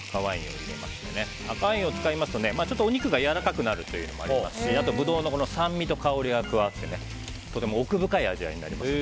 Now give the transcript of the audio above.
赤ワインを使いますとお肉がやわらかくなるというのもありますしブドウの酸味と香りが加わってとても奥深い味わいになります。